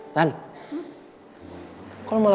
apakah ini cinta